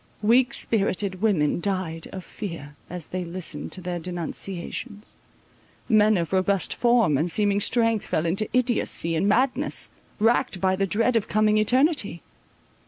Weak spirited women died of fear as they listened to their denunciations; men of robust form and seeming strength fell into idiotcy and madness, racked by the dread of coming eternity.